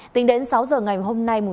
tính đến sáu giờ ngày hôm nay